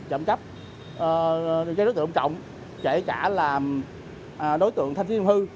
chậm cắp gây rối trực tự công cộng chạy trả làm đối tượng thanh thiên hư